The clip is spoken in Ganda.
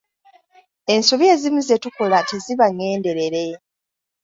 Ensobi ezimu ze tukola teziba ngenderere.